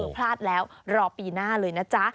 พลาดแล้วรอปีหน้าเลยนะจ๊ะ